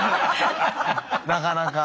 なかなか。